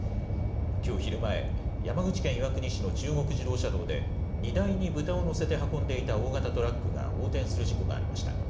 きょう昼前、山口県岩国市の中国自動車道で、荷台に豚を載せて運んでいた大型トラックが横転する事故がありました。